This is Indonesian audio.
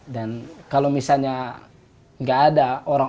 dan kalau misalnya nggak ada orang orang yang membutuhkan